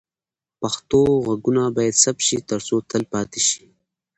پښتو غږونه باید ثبت شي ترڅو تل پاتې شي.